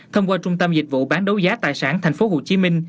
thông qua trung tâm dịch vụ bán đấu giá tài sản tp hcm